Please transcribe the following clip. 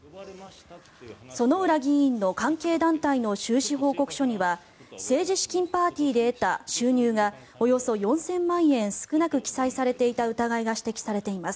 薗浦議員の関係団体の収支報告書には政治資金パーティーで得た収入がおよそ４０００万円記載されていた疑いが指摘されています。